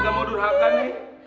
apa gak mau durhaka nih